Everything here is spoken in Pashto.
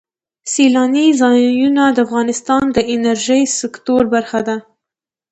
سیلاني ځایونه د افغانستان د انرژۍ سکتور برخه ده.